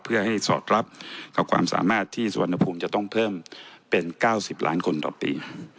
เพื่อให้สอดรับกับความสามารถที่สุวรรณภูมิจะต้องเพิ่มเป็น๙๐ล้านคนต่อปี